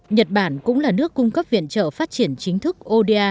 nhật bản cũng là nước cung cấp viện trợ phát triển chính thức oda